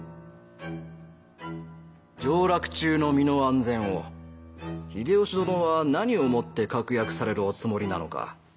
上洛中の身の安全を秀吉殿は何をもって確約されるおつもりなのか。